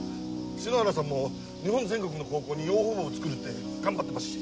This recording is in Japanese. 篠原さんも日本全国の高校に養蜂部をつくるって頑張ってますし。